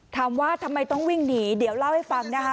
ถามว่าทำไมต้องวิ่งหนีเดี๋ยวเล่าให้ฟังนะคะ